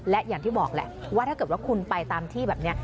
และอย่างที่บอกแหละว่าถ้าเกิดว่าคุณไปตามที่แบบนี้